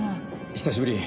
久しぶり。